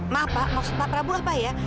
maaf pak maksud pak prabowo apa ya